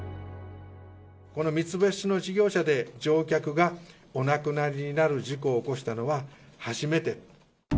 この三つ星の事業者で乗客がお亡くなりになる事故を起こしたのは初めて。